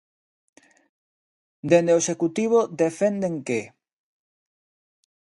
Dende o Executivo defenden que...